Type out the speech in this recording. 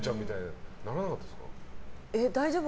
大丈夫？